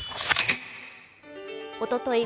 おととい